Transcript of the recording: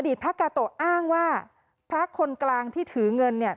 พระกาโตะอ้างว่าพระคนกลางที่ถือเงินเนี่ย